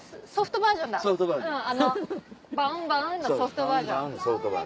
バウンバウンのソフトバージョン。